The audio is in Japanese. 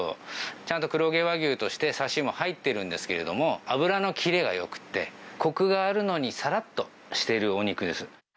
ちゃんと黒毛和牛としてサシも入ってるんですけど、脂のキレがよくて、こくがあるのに、さらっとしているお肉です。